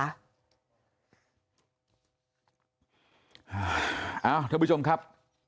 เอ้าท่านผู้ชมครับ